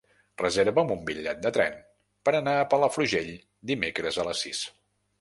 Reserva'm un bitllet de tren per anar a Palafrugell dimecres a les sis.